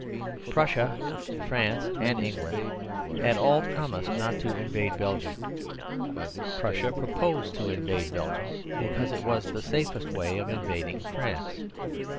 Prussia, France, and England had all promised not to invade Belgium. Prussia proposed to invade Belgium, because it was the safest way of invading France.